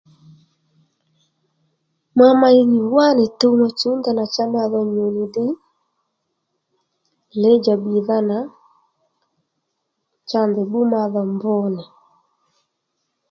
Ma mey nì wánì tuw ma chǔw ndanà cha ma dho nyù nì ddiy lěydjà bbìydha nà cha ndèy bbú madhò mb nì